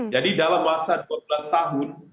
jadi dalam masa dua belas tahun